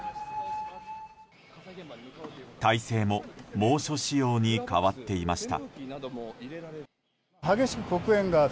態勢も猛暑仕様に変わっていました。